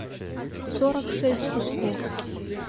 сорок шесть кусков